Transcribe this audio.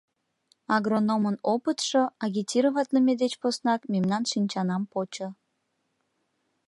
Агрономын опытшо, агитироватлыме деч поснак, мемнан шинчанам почо.